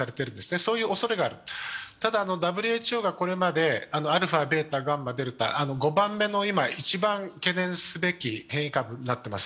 そういうおそれがある、ただ、ＷＨＯがこれまでアルファ、ベータ、ガンマ、デルタ、５番目の一番懸念すべき変異株になっています。